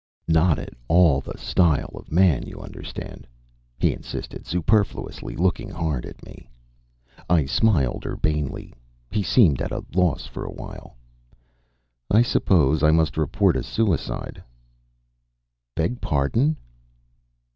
"Not at all the style of man. You understand," he insisted, superfluously, looking hard at me. I smiled urbanely. He seemed at a loss for a while. "I suppose I must report a suicide." "Beg pardon?"